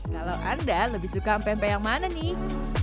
kalau anda lebih suka pempek yang mana nih